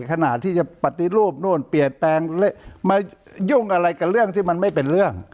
ขณะที่จะปฏิรูปนู่นเปลี่ยนแปลงมายุ่งอะไรกับเรื่องที่มันไม่เป็นเรื่อง